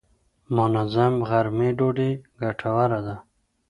منظم غرمې ډوډۍ ګټوره ده.